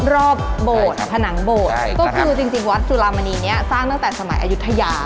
โบสถ์ผนังโบสถก็คือจริงวัดสุรามณีนี้สร้างตั้งแต่สมัยอายุทยา